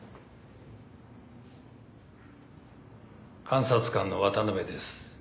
監察官の渡辺です。